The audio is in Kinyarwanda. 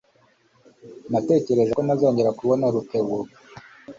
Natekereje ko ntazongera kubona Rutebuka.